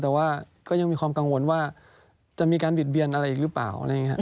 แต่ว่ายังมีความกังวลว่าจะมีการบิดเบียนอะไรอีกหรือเปล่า